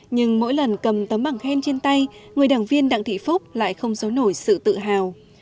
nhưng mỗi lần cầm tấm bảng khen trên tay người đảng viên đặng thị phúc lại không giấu nổi sự tự hào